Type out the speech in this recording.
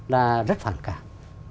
là rất phản cảm